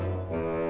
tidak ada apa apa